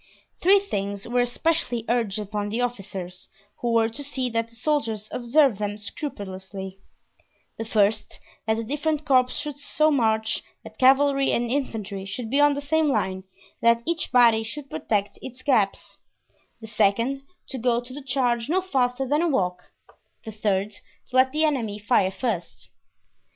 Three things were especially urged upon the officers, who were to see that the soldiers observed them scrupulously: the first, that the different corps should so march that cavalry and infantry should be on the same line and that each body should protect its gaps; the second, to go to the charge no faster than a walk; the third, to let the enemy fire first.